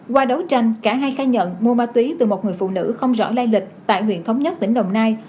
qua đấu tranh cả hai khai nhận mua ma túy từ một người phụ nữ không rõ lai lịch tại huyện thống nhất tỉnh đồng nai